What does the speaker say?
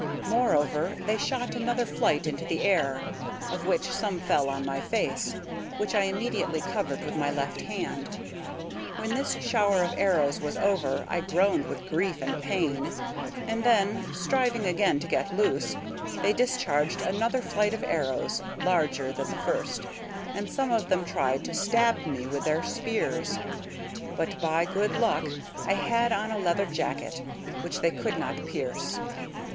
Moreover, they shot another flight into the air, of which some fell on my face, which I immediately covered with my left hand. When this shower of arrows was over I groaned with grief and pain, and then, striving again to get loose, they discharged another flight of arrows larger than the first, and some of them tried to stab me with their spears; but by good luck I had on a leather jacket, which they could not pierce.